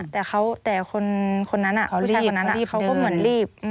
แต่ผู้ชายคนนั้นเขาก็เหมือนรีบ